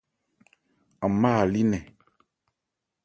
An má a lí nnɛn.